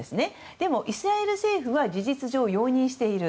でもイスラエル政府は事実上、容認している。